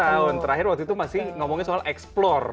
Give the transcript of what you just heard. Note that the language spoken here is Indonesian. tujuh tahun terakhir waktu itu masih ngomongin soal explore